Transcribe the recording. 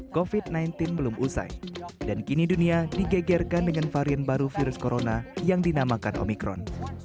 covid sembilan belas belum usai dan kini dunia digegerkan dengan varian baru virus corona yang dinamakan omikron